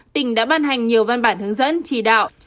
tỉnh đã ban hành nhiều văn bản hướng dẫn chỉ đạo